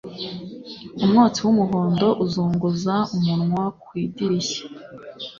Umwotsi wumuhondo uzunguza umunwa ku idirishya